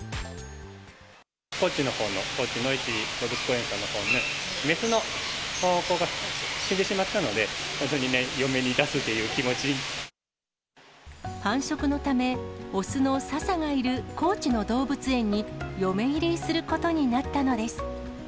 高知のほうの、のいち動物公園で雌の子が死んでしまったので、本当に嫁に出すと繁殖のため、雄のささがいる高知の動物園に嫁入りすることになったのです。